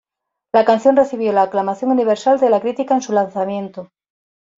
La canción recibió la aclamación universal de la crítica en su lanzamiento.